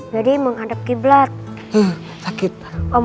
harus kayak gini om